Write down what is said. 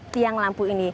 tiang lampu ini